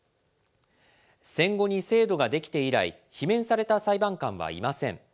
戦後に制度ができて以来、罷免された裁判官はいません。